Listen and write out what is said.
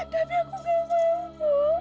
tapi aku gak mau bu